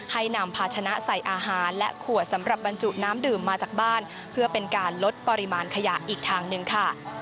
ให้นำพาชนะใส่อาหารและขวดสำหรับบรรจุน้ำดื่มมาจากบ้านเพื่อเป็นการลดปริมาณขยะอีกทางหนึ่งค่ะ